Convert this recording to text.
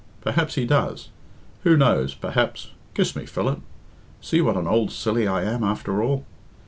Perhaps he does. Who knows perhaps kiss me, Philip. See what an old silly I am, after all.